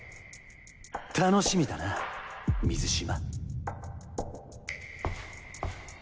楽しみだな水嶋。